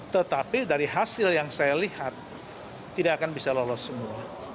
tetapi dari hasil yang saya lihat tidak akan bisa lolos semua